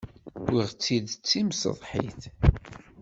Wwiɣ-tt-id d timseḍsit.